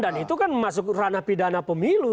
dan itu kan masuk ranah pidana pemilu